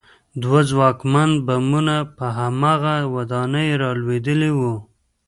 دوه ځواکمن بمونه په هماغه ودانۍ رالوېدلي وو